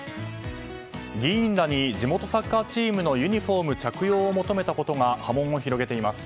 議員らに地元サッカーチームのユニホームの着用を求めたことが波紋を広げています。